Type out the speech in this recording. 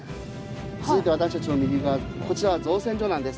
続いて私たちの右側こちらは造船所なんです。